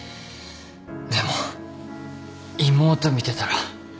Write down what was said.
でも妹見てたら。